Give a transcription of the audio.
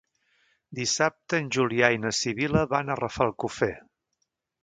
Dissabte en Julià i na Sibil·la van a Rafelcofer.